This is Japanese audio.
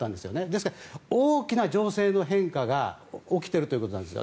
ですから、大きな情勢変化が起きているんです。